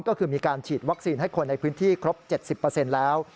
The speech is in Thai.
ก็คือมีการฉีดวัคซีนให้คนในพื้นที่ครบ๗๐แล้ว